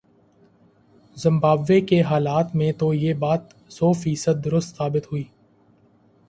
Zimbabwe کے حالات میں تو یہ بات سوفیصد درست ثابت ہوئی۔